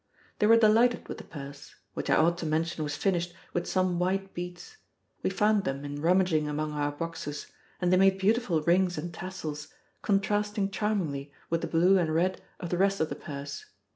They were delighted with the purse which I ought to mention was finished with some white beads; we found them in rummaging among our boxes, and they made beautiful rings and tassels, contrasting charmingly with the blue and red of the rest of the purse.